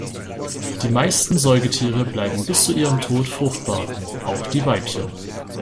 Die meisten Säugetiere bleiben bis zu ihrem Tod fruchtbar, auch die Weibchen.